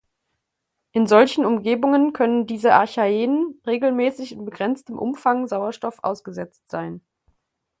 In solchen Umgebungen können diese Archaeen regelmäßig in begrenztem Umfang Sauerstoff ausgesetzt sein.